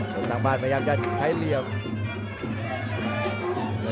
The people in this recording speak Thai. ส่วนทางบ้านพยายามจะใช้เหลี่ยม